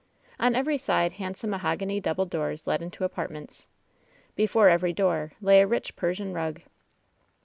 On every side handsome mahogany double doors led into apartments. Before every door lay a rich Persian rug.